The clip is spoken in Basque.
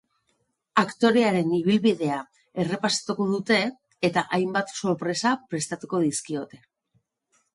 Aktorearen ibilbidea errepasatuko dute eta hainbat sorpresa prestatuko dizkiote.